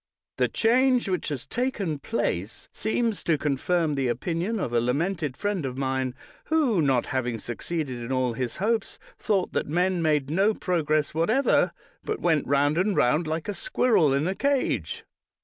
The change which has taken place seems to 228 BRIGHT confirm the opinion of a lamented friend of mine, who, not having succeeded in all his hopes, thought that men made no progress what ever, but went round and round like a squirrel in a cage.